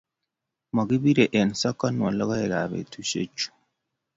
Makibirei eng' sokonwo lagoikab betusiechu